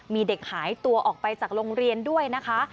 มีเด็กหายตัวออกไปจากโรงเรียนด้วยนะคะ